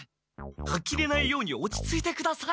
あきれないように落ち着いてください。